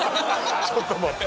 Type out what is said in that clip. ちょっと待って。